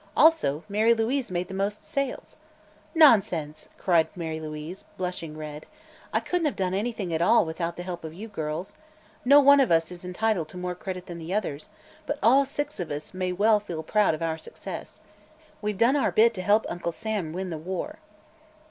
Also, Mary Louise made the most sales." "Nonsense!" cried Mary Louise, blushing red. "I couldn't have done anything at all without the help of you girls. No one of us is entitled to more credit than the others, but all six of us may well feel proud of our success. We've done our bit to help Uncle Sam win the war."